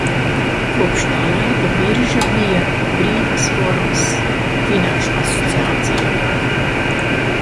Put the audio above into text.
"Kopš tā laika birža bija "brīvas formas" finanšu asociācija."